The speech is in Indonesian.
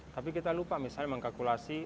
tapi kita lupa misalnya mengkalkulasi